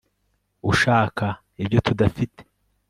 ushaka ibyo tudafite